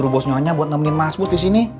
bos nyonya buat nemenin masbut di sini